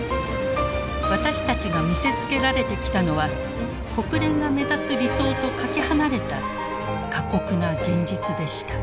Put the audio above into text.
私たちが見せつけられてきたのは国連が目指す「理想」とかけ離れた過酷な「現実」でした。